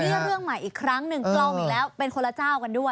เรื่องใหม่อีกครั้งลองอีกแล้วก็เป็นคนราเจ้ากันด้วย